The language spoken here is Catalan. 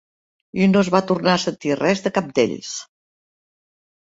I no es va tornar a sentir res de cap d'ells.